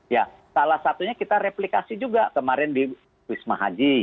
ya salah satunya kita replikasi juga kemarin di wisma haji